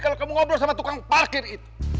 kalau kamu ngobrol sama tukang parkir itu